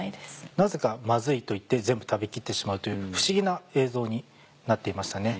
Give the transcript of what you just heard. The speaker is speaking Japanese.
なぜか「マズイ」と言って全部食べ切ってしまうという不思議な映像になっていましたね。